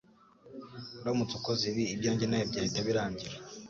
uramutse ukoze ibi ibyanjye nawe byahita birangirira